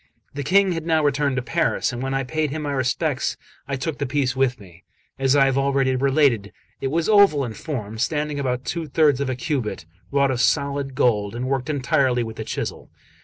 The King had now returned to Paris; and when I paid him my respects, I took the piece with me. As I have already related, it was oval in form, standing about two thirds of a cubit, wrought of solid gold, and worked entirely with the chisel.